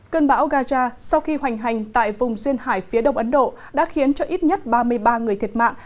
cơn bão gaja sau khi hoành hành tại vùng duyên hải phía đông ấn độ đã khiến cho ít nhất ba mươi ba người thiệt mạng